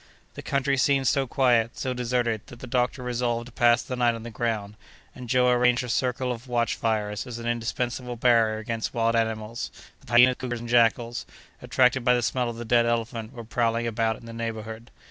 The country seemed so quiet, so deserted, that the doctor resolved to pass the night on the ground, and Joe arranged a circle of watch fires as an indispensable barrier against wild animals, for the hyenas, cougars, and jackals, attracted by the smell of the dead elephant, were prowling about in the neighborhood.